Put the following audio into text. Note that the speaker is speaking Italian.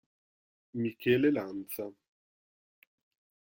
Michele Lanza